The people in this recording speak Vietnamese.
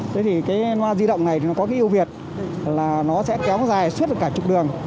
thế thì cái loa di động này nó có cái ưu việt là nó sẽ kéo dài suốt cả chục đường